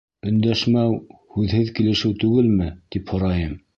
Өндәшмәү — һүҙһеҙ килешеү түгелме? — тип һорайым.